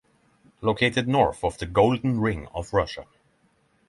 Located north of the Golden Ring of Russia.